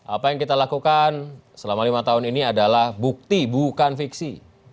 apa yang kita lakukan selama lima tahun ini adalah bukti bukan fiksi